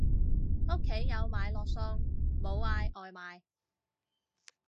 屋企有買落餸，冇嗌外賣